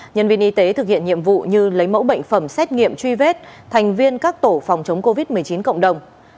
nhân viên y tế thực hiện nhiệm vụ như lấy mẫu bệnh phẩm xét nghiệm truy vết thành viên các tổ phòng chống covid một mươi chín cộng đồng